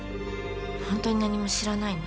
本当に何も知らないの？